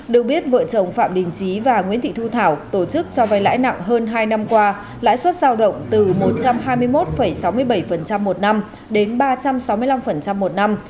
được biết vợ chồng phạm đình trí và nguyễn thị thu thảo tổ chức cho vay lãi nặng hơn hai năm qua lãi suất giao động từ một trăm hai mươi một sáu mươi bảy một năm đến ba trăm sáu mươi năm một năm